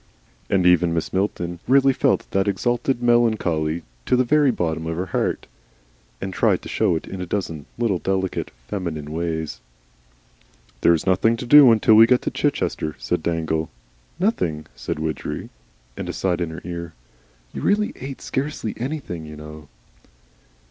And even Mrs. Milton really felt that exalted melancholy to the very bottom of her heart, and tried to show it in a dozen little, delicate, feminine ways. "There is nothing to do until we get to Chichester," said Dangle. "Nothing." "Nothing," said Widgery, and aside in her ear: "You really ate scarcely anything, you know."